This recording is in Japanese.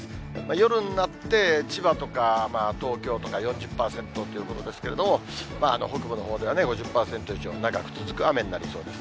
夜になって、千葉とか東京とか４０％ということですけれども、北部のほうでは、５０％以上、長く続く雨になりそうです。